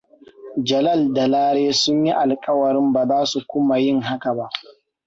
Jalal da Lare sun yi alkawarin ba za su kuma yin haka ba.